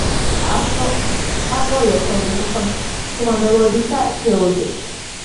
ავტორია ცნობილი სახელმძღვანელოებისა გეოლოგიაში.